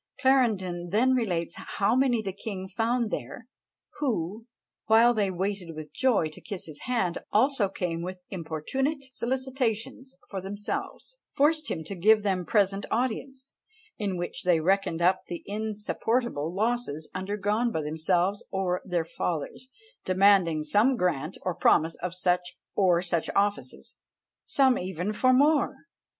Clarendon then relates how many the king found there, who, while they waited with joy to kiss his hand, also came with importunate solicitations for themselves; forced him to give them present audience, in which they reckoned up the insupportable losses undergone by themselves or their fathers; demanding some grant, or promise of such or such offices; some even for more!